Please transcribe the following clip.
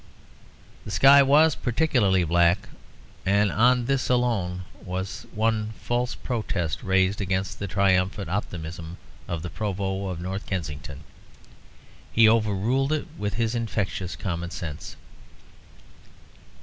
The sky was particularly black, and on this alone was one false protest raised against the triumphant optimism of the Provost of North Kensington. He overruled it with his infectious common sense.